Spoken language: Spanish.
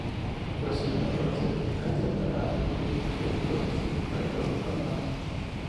Fue seleccionada para ser candidata a los junto a "Trece Rosas" y "El Orfanato".